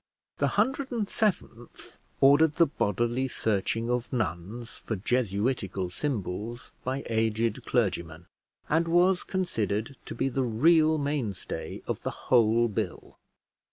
The hundred and seventh ordered the bodily searching of nuns for jesuitical symbols by aged clergymen, and was considered to be the real mainstay of the whole bill.